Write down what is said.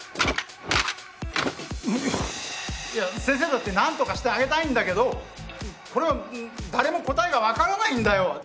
うっいや先生だって何とかしてあげたいんだけどこれは誰も答えが分からないんだよ。